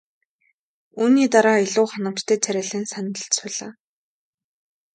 Үүний дараа илүү ханамжтай царайлан сандалд суулаа.